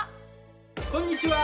こんにちは。